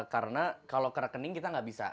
karena kalau ke rekening kita nggak bisa